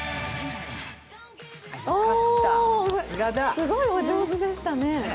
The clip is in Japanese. すごいお上手でしたね。